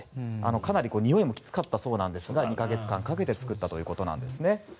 かなりにおいもきつかったそうですが２か月間かけて作ったということなんです。